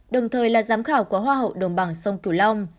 đồng thời là giám khảo của hoa hậu đồng bằng sông cửu long